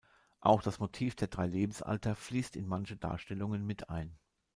Auch das Motiv der Drei Lebensalter fließt in manche Darstellungen mit ein.